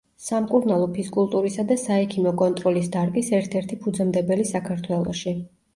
სამკურნალო ფიზკულტურისა და საექიმო კონტროლის დარგის ერთ-ერთი ფუძემდებელი საქართველოში.